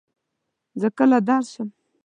زۀ کله درشم ؟